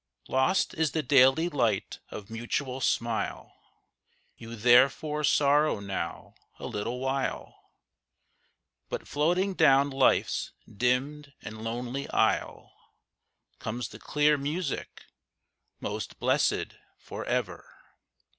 Lost is the daily light of mutual smile, You therefore sorrow now a little while; But floating down life's dimmed and lonely aisle Comes the clear music: 'Most blessed for ever!'